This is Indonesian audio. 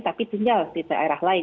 tapi tinggal di daerah lain